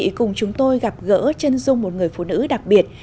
quý vị cùng chúng tôi gặp gỡ chân dung một người phụ nữ đặc biệt